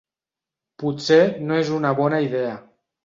Potser no és una bona idea.